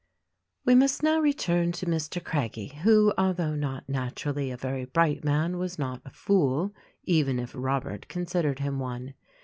We must now return to Mr. Craggie who although not naturally a very bright man was not a fool, even if Robert considered him one.